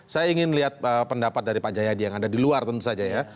saya ingin lihat pendapat dari pak jayadi yang ada di luar tentu saja ya